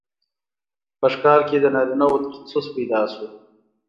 په ښکار کې د نارینه وو تخصص پیدا شو.